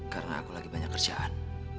karena aku lagi banyak kerjaan